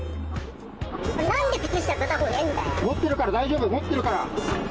持ってるから大丈夫持ってるから。